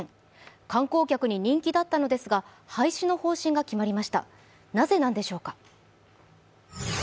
観光客に人気だったのですが、廃止の方針が決まりましたなぜなんでしょうか。